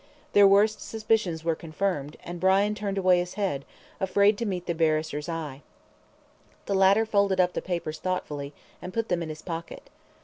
Their worst suspicions were confirmed, and Brian turned away his head, afraid to meet the barrister's eye. The latter folded up the papers thoughtfully, and put them in his pocket.